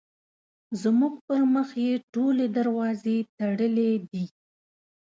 زموږ پر مخ یې ټولې دروازې تړلې دي.